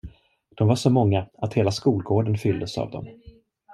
De var så många, att hela skolgården fylldes av dem.